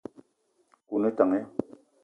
Nkou o ne tank ya ?